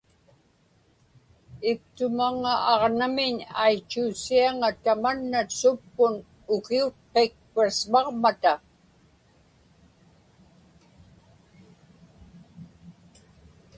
Iktumaŋŋa aġnamiñ aitchuusiaŋa tamanna suppun ukiutqik Christmaġmata.